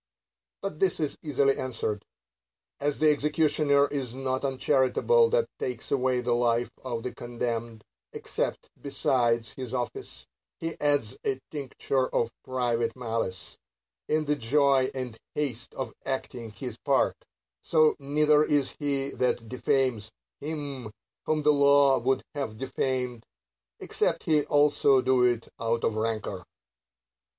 But this is easily answered. As the executioner is not uncharita ble that takes away the life of the condemned, except, besides his office, he adds a tincture of private malice, in the joy and haste of acting his part ; so neither is he that defames him, whom the law would have defamed, except he also do it out of rancor.